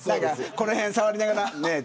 この辺触りながらねえ